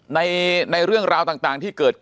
ในเรื่องราวต่างที่เกิดขึ้น